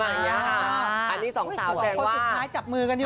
อันนี้สองสาวแต่คนสุดท้ายจับมือกันอยู่